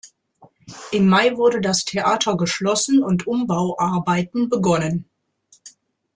Im Mai wurde das Theater geschlossen und Umbauarbeiten begonnen.